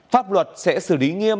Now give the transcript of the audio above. pháp luật sẽ xử lý nghiêm